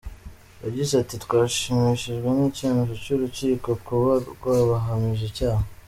Yagize ati:"Twashimishijwe n’icyemezo cy’urukiko, kuba rwabahamije icyaha.